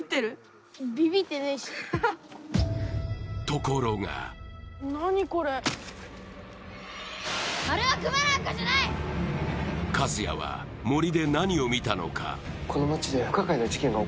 ところが一也は森で何を見たのか？